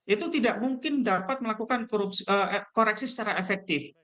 itu tidak mungkin dapat melakukan koreksi secara efektif